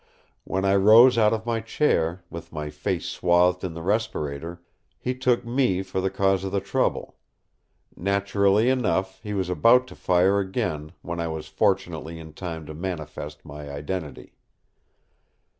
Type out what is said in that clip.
When I rose out of my chair, with my face swathed in the respirator, he took me for the cause of the trouble. Naturally enough, he was about to fire again, when I was fortunately in time to manifest my identity.